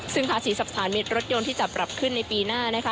ซึ่งภาษีสรรพสามิตรรถยนต์ที่จะปรับขึ้นในปีหน้านะคะ